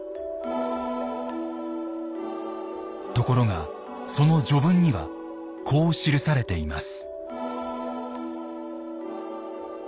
ところがその序文にはこう記されています。